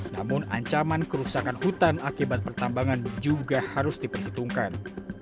namun ancaman kerusakan hutan akibat pertambangan juga harus diperhitungkan